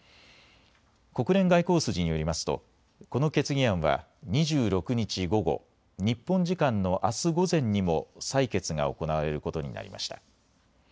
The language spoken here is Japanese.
国連外交筋によりますとこの決議案は２６日午後、日本時間のあす午前にも採決が行われることになりました。